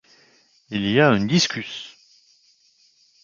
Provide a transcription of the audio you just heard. Il y a un discus.